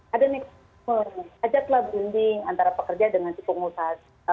ada nih ajaklah bunding antara pekerja dengan si pengusaha